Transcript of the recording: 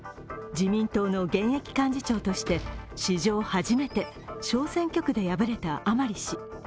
自民党の現役幹事長として史上初めて小選挙区で敗れた甘利氏。